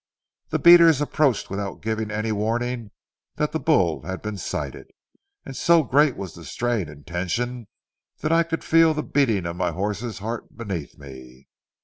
The beaters approached without giving any warning that the bull had been sighted, and so great was the strain and tension that I could feel the beating of my horse's heart beneath me.